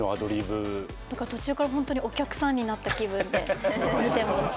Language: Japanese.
何か途中から本当にお客さんになった気分で見てました。